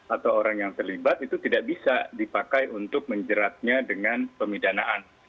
atau orang yang terlibat itu tidak bisa dipakai untuk menjeratnya dengan pemidanaan